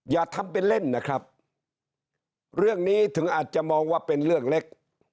อย่าทำเป็นเล่นนะครับเรื่องนี้ถึงอาจจะมองว่าเป็นเรื่องเล็ก